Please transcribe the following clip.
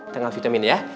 tengah vitamin ya